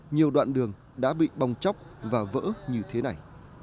nhiều đoạn đường đã bị bong chóc và vỡ như thế này